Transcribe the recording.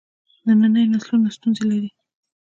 ننني نسلونه ستونزې لري.